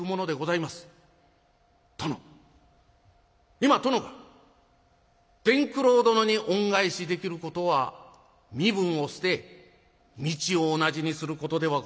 今殿が伝九郎殿に恩返しできることは身分を捨て道を同じにすることではございません。